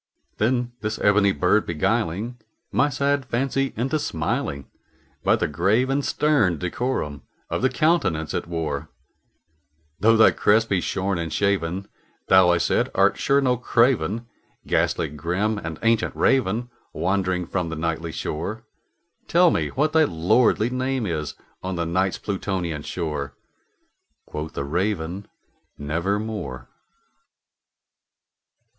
Then this ebony bird beguiling my sad fancy into smiling, By the grave and stern decorum of the countenance it wore, "Though thy crest be shorn and shaven, thou," I said, "art sure no craven, Ghastly grim and ancient Raven wandering from the Nightly shore Tell me what thy lordly name is on the Night's Plutonian shore!" Quoth the Raven, "Nevermore."